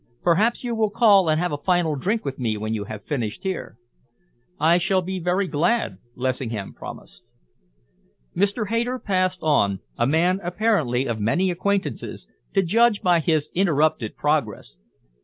Perhaps you will call and have a final drink with me when you have finished here." "I shall be very glad," Lessingham promised. Mr. Hayter passed on, a man, apparently, of many acquaintances, to judge by his interrupted progress.